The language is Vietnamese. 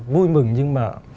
vui mừng nhưng mà